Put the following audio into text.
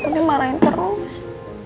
ini marahin terus